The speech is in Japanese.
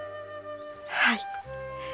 はい。